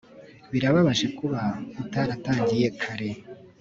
Birababaje kuba utaratangiye kare